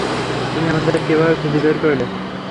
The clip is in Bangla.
তুমি আমাদের কীভাবে খুঁজে বের করলে?